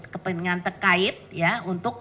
kepentingan terkait ya untuk